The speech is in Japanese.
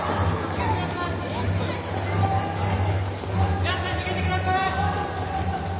皆さん逃げてください！